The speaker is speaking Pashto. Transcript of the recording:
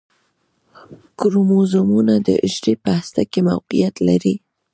کروموزومونه د حجرې په هسته کې موقعیت لري